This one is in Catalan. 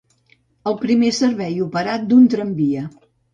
El primer servei operat d'un tramvia.